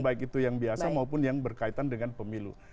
baik itu yang biasa maupun yang berkaitan dengan pemilu